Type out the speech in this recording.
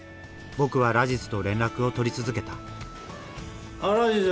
僕はラジズと連絡を取り続けたああラジズ！